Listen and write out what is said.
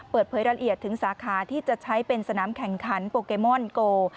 เปิดเผยรายละเอียดถึงสาขาที่จะใช้เป็นสนามแข่งขันโปเกมอนโก